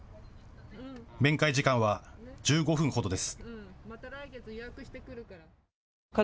面会時間は１５分ほどです。